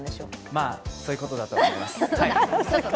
まあ、そういうことだと思います